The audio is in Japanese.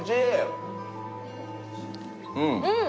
うん！